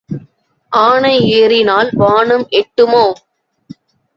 ஆனை ஏறினால் வானம் எட்டுமோ?